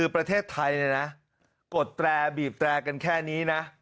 ประเทศไทยกดแร่กฏกันแค่นี้นะ